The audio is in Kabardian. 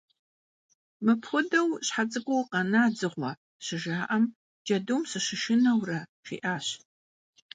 «Mıpxuedeu şhe ts'ık'uu vukhena, dzığue?» — şıjja'em, «cedum sışışşıneure» jji'aş.